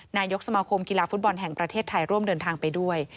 นายกสมาคมกีฬาฟุตบอลแห่งประเทศไทยร่วมเดินทางไปด้วย